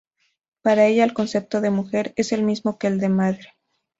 Para ella, el concepto de mujer es el mismo que el de madre.